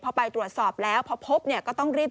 พอไปตรวจสอบแล้วพอพบเนี่ย